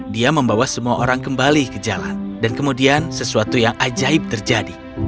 dia membawa semua orang kembali ke jalan dan kemudian sesuatu yang ajaib terjadi